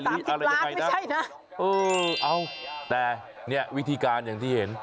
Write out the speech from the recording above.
๓๐ล้านไม่ใช่นะเออเอาแต่เนี่ยวิธีการอย่างที่เห็น